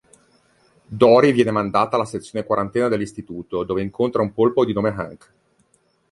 Dory viene mandata alla sezione quarantena dell'istituto, dove incontra un polpo di nome Hank.